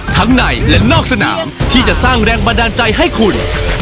ทั้งในและนอกสนามที่จะสร้างแรงบันดาลใจให้คุณ